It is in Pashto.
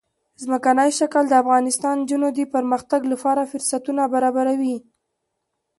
ځمکنی شکل د افغان نجونو د پرمختګ لپاره فرصتونه برابروي.